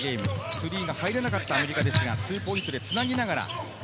スリーが入らなかったアメリカですが、ツーポイントでつなぎながら。